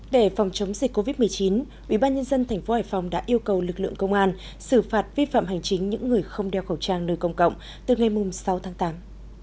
để phòng chống dịch covid một mươi chín ubnd tp hải phòng đã yêu cầu lực lượng công an xử phạt vi phạm hành chính những người không đeo khẩu trang nơi công cộng từ ngày sáu tháng tám